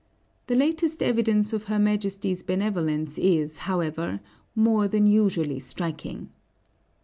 The latest evidence of her Majesty's benevolence is, however, more than usually striking.